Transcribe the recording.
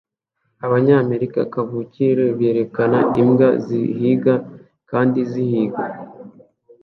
Abanyamerika kavukire berekana imbwa zihiga kandi zihiga